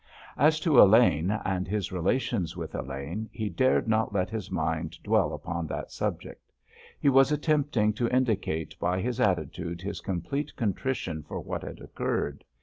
As to Elaine, and his relations with Elaine, he dared not let his mind dwell upon that subject. He was attempting to indicate by his attitude his complete contrition for what had occurred.